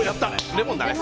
レモンだね。